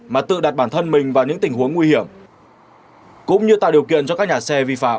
mà tự đặt bản thân mình vào những tình huống nguy hiểm cũng như tạo điều kiện cho các nhà xe vi phạm